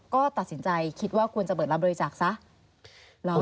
ก็ตัดสินใจคิดว่าควรจะเปิดรับบริจาคซะ